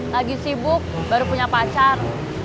lagi sibuk baru punya pacar